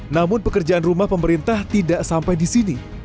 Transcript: namun pekerjaan rumah pemerintah tidak sampai di sini